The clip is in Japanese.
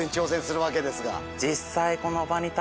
実際。